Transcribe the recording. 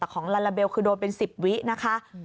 แต่ของลาลาเบลคือโดนเป็น๑๐วินะคะ